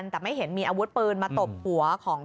ที่คนที่ฝ้ามหัวอยู่ข้างล่ะ